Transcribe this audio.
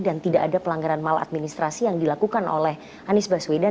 dan tidak ada pelanggaran maladministrasi yang dilakukan oleh anies baswedan